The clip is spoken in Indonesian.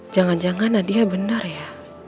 jangan jangan nadia benar ya